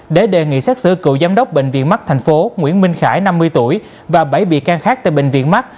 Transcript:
để đề nghị sát sử cựu giám đốc bệnh viện mắc tp nguyễn minh khải năm mươi tuổi và bảy bị can khác tại bệnh viện mắc